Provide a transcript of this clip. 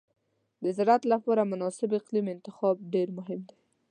د زراعت لپاره مناسب اقلیم انتخاب ډېر مهم دی.